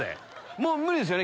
もう無理ですよね